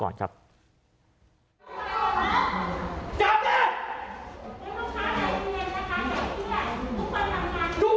ลองหน่อยครับ